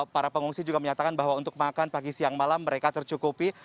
para pengungsi juga menyatakan bahwa untuk makan pagi siang malam mereka tercukupi